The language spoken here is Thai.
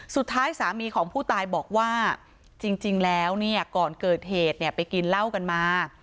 สุดท้ายสามีของผู้ตายบอกว่าจริงแล้วเนี่ยก่อนเกิดเหตุเนี่ยไปกินเหล้ากันมา